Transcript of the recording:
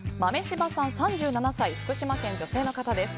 ３７歳、福島県、女性の方です。